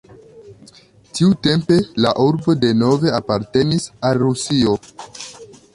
Tiutempe la urbo denove apartenis al Rusio.